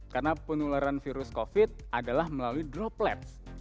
karena penularan virus covid adalah melalui droplets